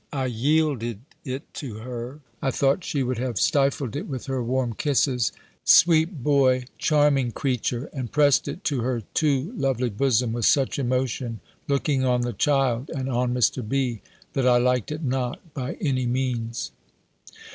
I yielded, it to her: I thought she would have stifled it with her warm kisses. "Sweet boy I charming creature," and pressed it to her too lovely bosom, with such emotion, looking on the child, and on Mr. B., that I liked it not by any means.